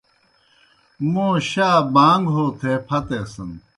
موں شا بانٚگ ہو تھے پھتیسِن۔